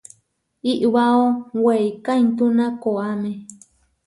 Iʼwáo weiká intúna koʼáme.